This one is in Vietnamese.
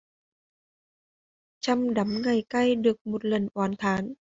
Trăm đắng ngàn cay chưa một lần oán thán